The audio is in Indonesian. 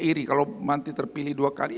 iri kalau nanti terpilih dua kali